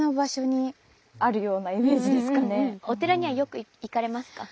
お寺にはよく行かれますか？